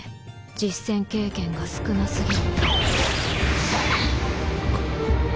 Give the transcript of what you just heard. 実戦経験が少な過ぎる。